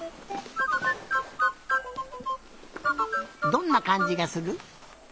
どんなかんじがする？